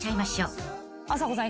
あさこさん